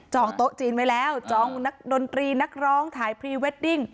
โต๊ะจีนไว้แล้วจองนักดนตรีนักร้องถ่ายพรีเวดดิ้ง